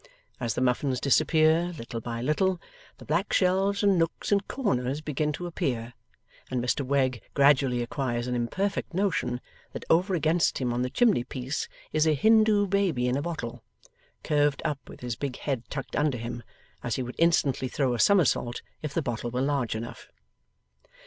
As the muffins disappear, little by little, the black shelves and nooks and corners begin to appear, and Mr Wegg gradually acquires an imperfect notion that over against him on the chimney piece is a Hindoo baby in a bottle, curved up with his big head tucked under him, as he would instantly throw a summersault if the bottle were large enough.